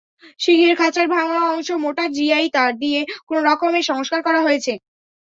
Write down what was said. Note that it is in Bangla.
সিংহের খাঁচার ভাঙা অংশ মোটা জিআই তার দিয়ে কোনোরকমে সংস্কার করা হয়েছে।